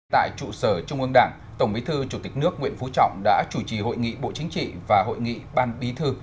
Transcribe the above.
tại trụ sở trung ương đảng tổng bí thư chủ tịch nước nguyễn phú trọng đã chủ trì hội nghị bộ chính trị và hội nghị ban bí thư